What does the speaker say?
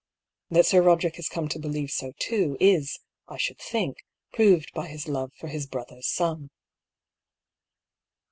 That Sir Boderick has come to believe so too, is, I should think, proved by his love for his brother's son."